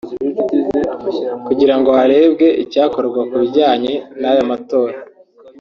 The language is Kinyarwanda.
kugira ngo harebwe icyakorwa ku bijyanye n’aya matora